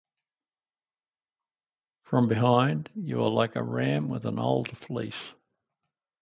From behind you are like a ram with an old fleece.